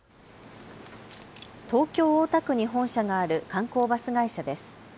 東京大田区に本社がある観光バス会社です。